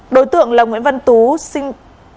đối tượng là một người đàn ông đối tượng là một người đàn ông